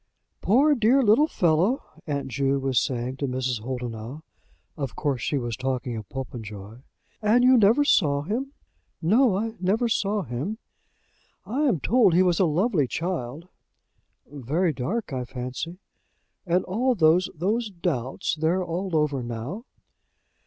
"Poor dear little fellow!" aunt Ju was saying to Mrs. Holdenough. Of course she was talking of Popenjoy. "And you never saw him?" "No; I never saw him." "I am told he was a lovely child." "Very dark, I fancy." "And all those those doubts? They're all over now?"